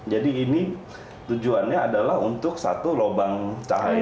jadi ini tujuannya adalah untuk satu lubang cahaya